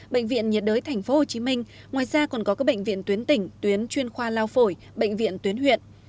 bệnh viện nhiệt đới tp hcm ngoài ra còn có các bệnh viện tuyến tỉnh tuyến chuyên khoa lao phổi bệnh viện tuyến huyện